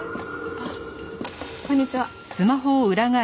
あっこんにちは。